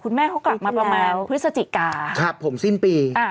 แม่เขากลับมาประมาณพฤศจิกาครับผมสิ้นปีอ่า